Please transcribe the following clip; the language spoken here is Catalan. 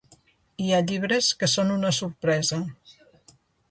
Hi ha llibres que són una sorpresa.